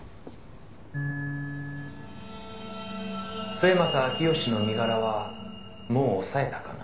「末政彰義の身柄はもう押さえたかな？」